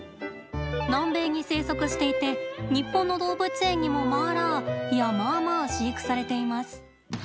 南米に生息していて日本の動物園にもマーラーいや、マーマー飼育されています。